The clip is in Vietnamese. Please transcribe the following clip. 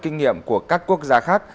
kinh nghiệm của các quốc gia khác